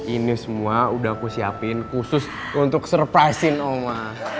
ini semua udah aku siapin khusus untuk surprise in om ma